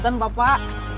terima kasih pak